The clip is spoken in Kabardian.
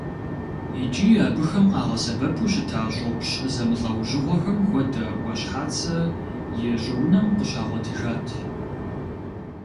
ИкӀи абыхэм къагъэсэбэпу щыта щӀопщ зэмылӀэужьыгъуэхэм хуэдэ Ӏуащхьацэ и щӀыунэм къыщагъуэтыжат.